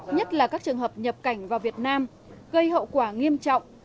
nhất là các trường hợp nhập cảnh vào việt nam gây hậu quả nghiêm trọng